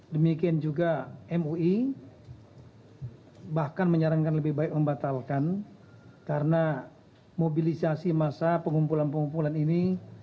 demikian juga mui bahkan menyarankan lebih baik membatalkan karena mobilisasi massa pengumpulan pengumpulan ini